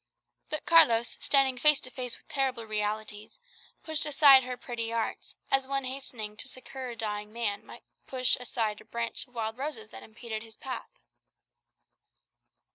But Carlos, standing face to face with terrible realities, pushed aside her pretty arts, as one hastening to succour a dying man might push aside a branch of wild roses that impeded his path.